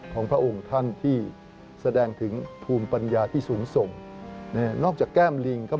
ของพระองค์ท่านที่แสดงถึงภูมิปัญญาที่สูงส่ง